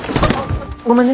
ごめんね。